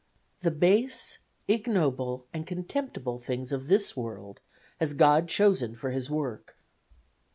The base, ignoble and contemptible things of this world has God chosen for His work.